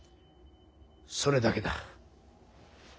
それだけだ。